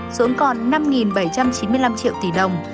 xuống còn năm bảy trăm chín mươi năm triệu tỷ đồng